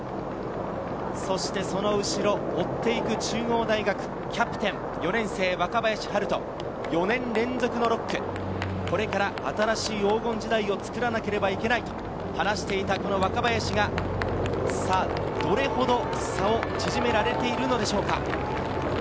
そしてその後ろ、追っていく中央大学のキャプテン、４年生・若林陽大、４年連続の６区、これから新しい黄金時代を作らなければいけないと話していたこの若林が、さぁどれ程の差を縮められているでしょうか？